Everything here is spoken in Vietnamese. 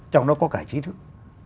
trong đó có cả trí thức